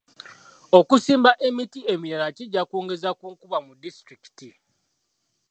Okusimba emiti emirala kijja kwongeza ku nkuba mu disitulikiti.